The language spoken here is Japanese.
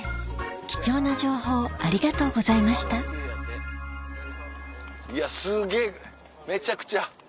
貴重な情報ありがとうございましたいやすげぇめちゃくちゃ。